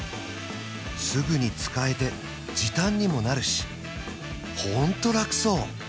すぐに使えて時短にもなるし本当ラクそう！